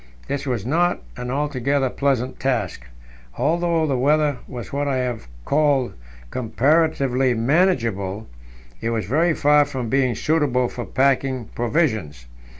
This was not an altogether pleasant task; although the weather was what I have called "comparatively manageable," it was very far from being suitable for packing provisions.